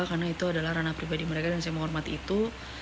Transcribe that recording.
karena itu adalah ranah pribadi mereka dan saya menghormati itu